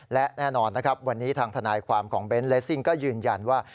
และแน่นอนนะครับวันนี้ทางทนายความของเบนท์เลสซิ่งก็ยืนยันว่า